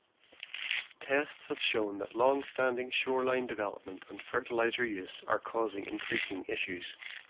Tests have shown that longstanding shoreline development and fertilizer use are causing increasing issues.